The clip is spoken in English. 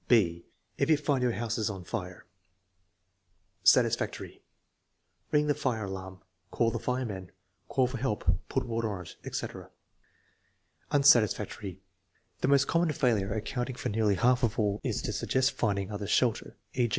(6) If you find that your house is on fire Satisfactory. /'Ring the fire alarm," "Call the firemen," "Call for help," "Put water on it," etc.^> Unsatisfactory. The most common failure, accounting for nearly half of all, is to suggest finding other shelter; e.